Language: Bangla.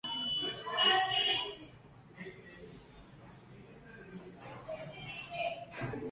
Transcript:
শিক্ষার্থীরা তাদের পরীক্ষার ফল ও উপলব্ধ আসনের সংখ্যা অনুযায়ী সংক্ষিপ্ত তালিকাভুক্ত হন।